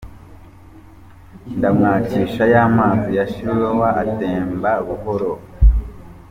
Ndamwakisha ya mazi ya Shilowa atemba buhoro.